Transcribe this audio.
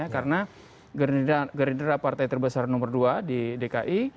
karena gerindra partai terbesar nomor dua di dki